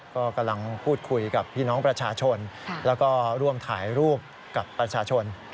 ก็กำลังพูดคุยกับพี่น้องประชาชนแล้วก็ร่วมถ่ายรูปกับประชาชน